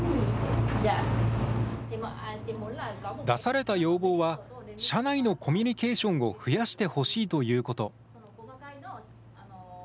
出された要望は、社内のコミュニケーションを増やしてほしいということ。